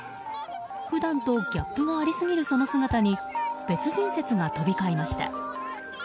普段とギャップがありすぎるその姿に別人説が飛び交いました。